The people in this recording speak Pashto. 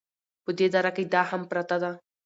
په دې دره کې دا مهم پراته دي